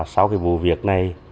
sau cái vụ việc này